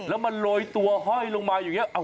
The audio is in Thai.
เรามาลอยตัวห้อยลงมาอยู่นี่